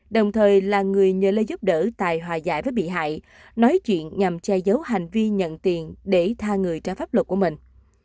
đồng thời là người nhờ lời giúp đỡ tài hòa giải với bị hại nói chuyện nhằm che giấu hành vi nhận tiền để tha người trái pháp luật của mình